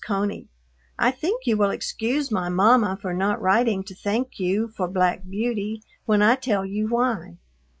CONEY, I think you will excuse my mama for not writing to thank you for black Beauty when I tell you why.